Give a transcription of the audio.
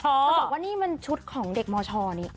เขาบอกว่านี่มันชุดของเด็กมชนี่